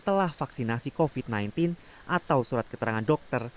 telah vaksinasi covid sembilan belas atau surat keterangan dokter